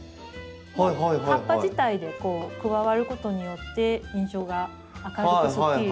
葉っぱ自体で加わることによって印象が明るくすっきり。